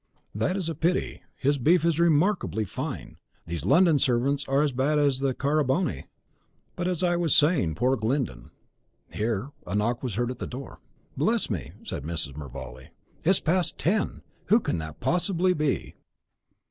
"That is a pity; his beef is remarkably fine. These London servants are as bad as the Carbonari. But, as I was saying, poor Glyndon " Here a knock was heard at the door. "Bless me," said Mrs. Mervale, "it is past ten! Who can that possibly be?"